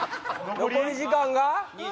残り時間が？